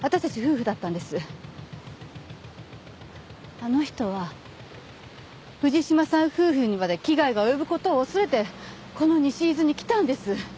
あの人は藤島さん夫婦にまで危害が及ぶ事を恐れてこの西伊豆に来たんです。